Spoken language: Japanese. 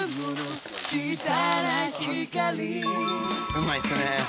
うまいですね。